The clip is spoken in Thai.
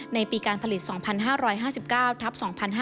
ในปีการผลิต๒๕๕๙ทับ๒๕๕๙